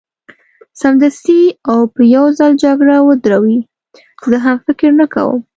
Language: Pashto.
سمدستي او په یو ځل جګړه ودروي، زه هم فکر نه کوم.